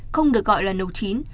không được gọi là nấu chín